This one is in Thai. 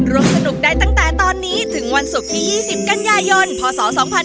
ร่วมสนุกได้ตั้งแต่ตอนนี้ถึงวันศุกร์ที่๒๐กันยายนพศ๒๕๕๙